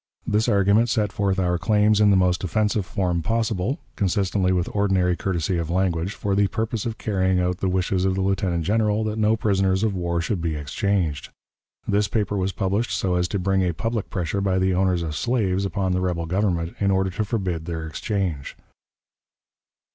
This argument set forth our claims in the most offensive form possible, consistently with ordinary courtesy of language, for the purpose of carrying out the wishes of the Lieutenant General that no prisoners of war should be exchanged. This paper was published so as to bring a public pressure by the owners of slaves upon the rebel Government, in order to forbid their exchange."